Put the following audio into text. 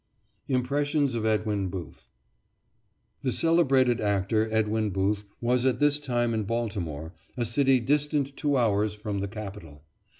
IMPRESSIONS OF EDWIN BOOTH The celebrated actor Edwin Booth was at this time in Baltimore, a city distant two hours from the capital.